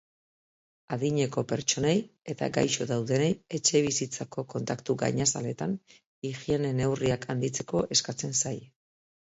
Adineko pertsonei eta gaixo daudenei etxebizitzako kontaktu gainazaletan higiene-neurriak handitzeko eskatzen zaie.